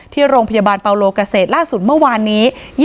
ที่โรงพยาบาลเปาโลเกษตรล่าสุดเมื่อวานนี้